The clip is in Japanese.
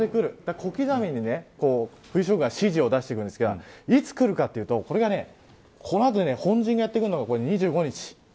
小刻みに、冬将軍が指示を出しているんですがいつくるかというとこの後で本陣がやってくるのが２５日。